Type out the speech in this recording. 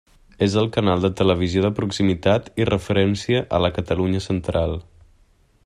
És el canal de televisió de proximitat i referència a la Catalunya Central.